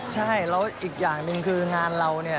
ใช่แล้วอีกอย่างหนึ่งคืองานเราเนี่ย